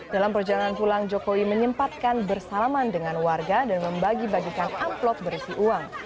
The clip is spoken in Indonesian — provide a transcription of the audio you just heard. dalam perjalanan pulang jokowi menyempatkan bersalaman dengan warga dan membagi bagikan amplop berisi uang